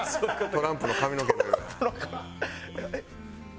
トランプの髪えっ？